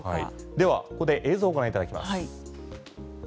ではここで映像をご覧いただきます。